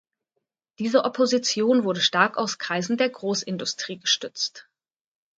Diese Opposition wurde stark aus Kreisen der Großindustrie gestützt.